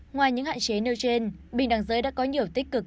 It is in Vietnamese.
ngoài những hạn chế nêu trên bình đẳng giới đã có nhiều tích cực